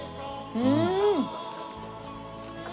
うん。